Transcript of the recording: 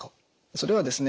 それはですね